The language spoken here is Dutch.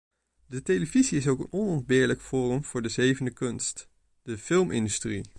De televisie is ook een onontbeerlijk forum voor de zevende kunst - de filmindustrie.